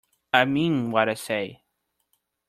I mean what I say.